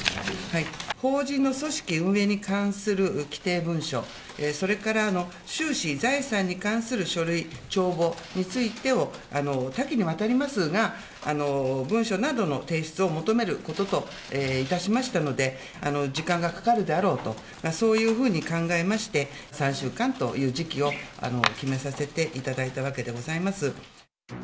法人の組織運営に関する規定文書、それから収支財産に関する書類、帳簿について、多岐にわたりますが、文書などの提出を求めることといたしましたので、時間がかかるであろうと、そういうふうに考えまして、３週間という時期を決めさせていただ